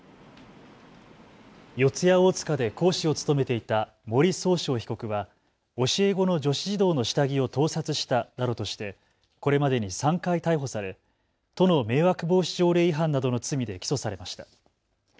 四谷大塚で講師を務めていた森崇翔被告は教え子の女子児童の下着を盗撮したなどとしてこれまでに３回逮捕され都の迷惑防止条例違反などの罪で起訴されました。